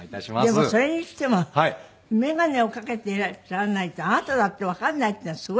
でもそれにしても眼鏡をかけていらっしゃらないとあなただってわからないっていうのはすごいですねでも。